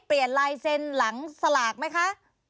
ลายเซ็นต์หลังสลากไหมคะ